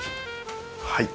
はい。